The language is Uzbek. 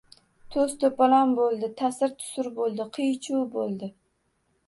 To‘s-to‘polon bo‘ldi. Tasir-tusur bo‘ldi. Qiy-chuv bo‘ldi.